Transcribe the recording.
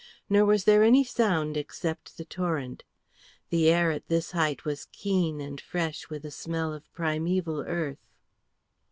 Nor was there any sound except the torrent. The air at this height was keen and fresh with a smell of primeval earth.